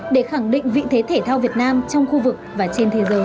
để khẳng định vị thế thể thao việt nam trong khu vực và trên thế giới